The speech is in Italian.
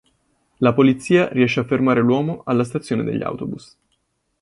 La polizia riesce a fermare l'uomo alla stazione degli autobus.